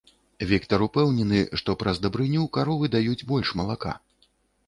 Віктар упэўнены, што праз дабрыню каровы даюць больш малака.